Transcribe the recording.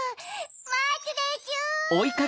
まつでちゅ！